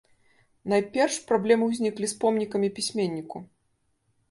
Найперш праблемы ўзніклі з помнікамі пісьменніку.